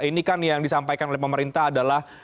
ini kan yang disampaikan oleh pemerintah adalah